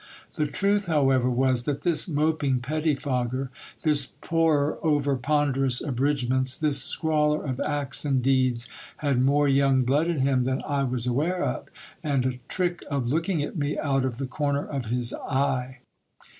The truth, however, was, that this moping pettifogger, this porer over ponderous abridgments, this scrawler of acts and deeds, had more young blood in him than I was aware of, and a trick of look ing at me out of the corner of his eye.